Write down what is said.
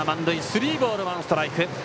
スリーボール、ワンストライク。